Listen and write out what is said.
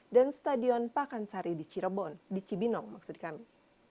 dan stadion pakansari di cirebon di cibinong maksud kami